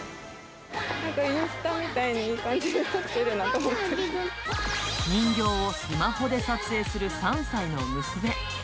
インスタみたいにいい感じに人形をスマホで撮影する３歳の娘。